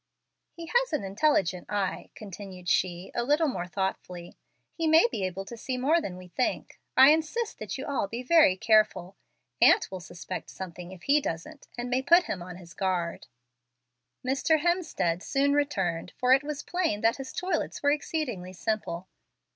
"He has an intelligent eye," continued she, a little more thoughtfully. "He may be able to see more than we think. I insist that you all be very careful. Aunt will suspect something, if he doesn't, and may put him on his guard." Mr. Hemstead soon returned, for it was plain that his toilets were exceedingly simple.